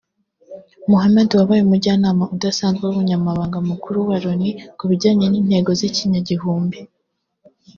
Mohammed wabaye Umujyanama udasanzwe w’Umunyamabanga Mukuru wa Loni ku bijyanye n’intego z’ikinyagihumbi